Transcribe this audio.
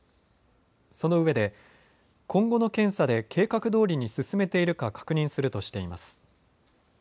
そのうえで、今後の検査で計画どおりに進めているか確認するとしています。